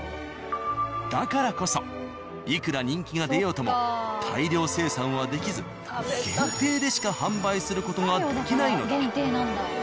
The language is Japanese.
だからこそいくら人気が出ようとも大量生産はできず限定でしか販売する事ができないのだ。